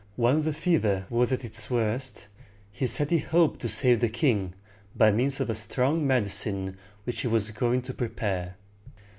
When the fever was at its worst, he said he hoped to save the king by means of a strong medicine which he was going to prepare.